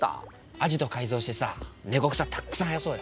アジト改造してさネコ草たっくさん生やそうよ。